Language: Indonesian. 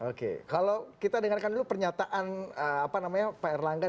oke kalau kita dengarkan dulu pernyataan pak erlangga